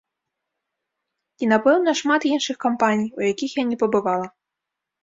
І, напэўна, шмат іншых кампаній, у якіх я не пабывала.